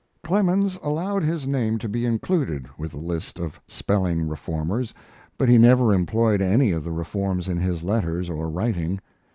Clemens allowed his name to be included with the list of spelling reformers, but he never employed any of the reforms in his letters or writing.